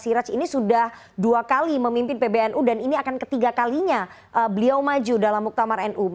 siraj ini sudah dua kali memimpin pbnu dan ini akan ketiga kalinya beliau maju dalam muktamar nu